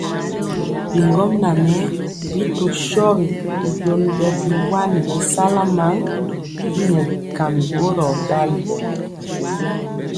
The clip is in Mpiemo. Bigɔmŋa ŋɛɛ bi tɔ shogi y joni bɛ biwani mɛsala man y nɛɛ bɛkami boror ndali.